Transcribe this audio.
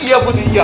ya putri ya